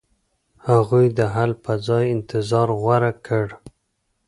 هغوی د حل په ځای انتظار غوره کړ.